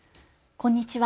こんにちは。